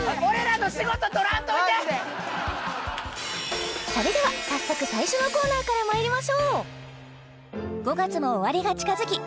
マジでそれでは早速最初のコーナーからまいりましょう５月も終わりが近づき